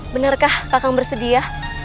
benarkah kakang bersedia